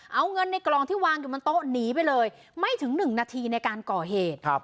เอาเงินในกล่องที่วางอยู่บนโต๊ะหนีไปเลยไม่ถึง๑นาทีในการก่อเหตุ